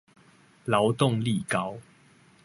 勞動力高